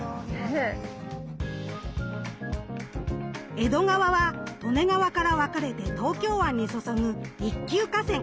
江戸川は利根川から分かれて東京湾に注ぐ一級河川。